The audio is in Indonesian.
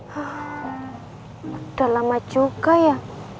sudah lama juga ya